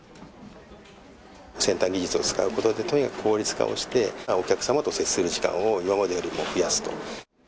先端技術を使うことで、とにかく効率化をして、お客様と接する時間を今までよりも増やすと。